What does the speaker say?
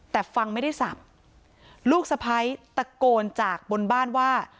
แต่ฟังไม่ได้สับลูกสะพ้ายตะโกนจากบนบ้านว่า